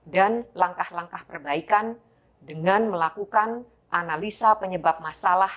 dan langkah langkah perbaikan dengan melakukan analisa penyebab masalah